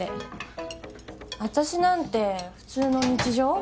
私なんて普通の日常？